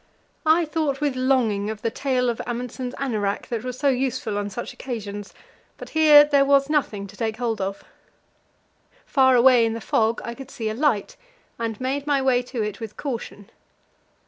I thought with longing of the tail of Amundsen's anorak that was so useful on such occasions, but here there was nothing to take hold of. Far away in the fog I could see a light, and made my way to it with caution.